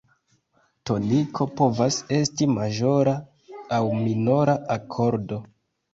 Toniko povas esti maĵora aŭ minora akordo.